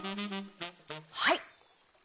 はい。